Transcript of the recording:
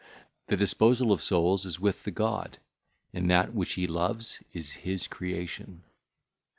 The disposal of souls is with the God, and that which He loveth is His creation.